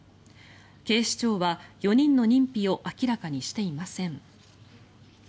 警視庁は４人の認否を明らかにしていません。